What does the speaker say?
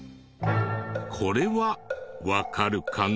これはわかるかな？